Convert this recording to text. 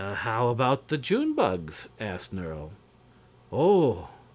"How about the June bugs?" asked Nerle. "Oh!